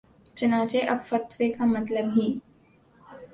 چنانچہ اب فتوے کا مطلب ہی